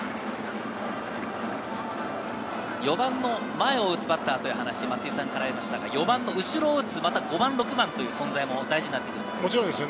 ４番の前を打つバッターという話がありましたが、４番の後ろを打つバッター、５番、６番の存在も大事になってくるんじゃないです